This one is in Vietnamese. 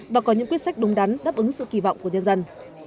và có những quyết sách đúng đắn đáp ứng sự kỳ vọng của nhân dân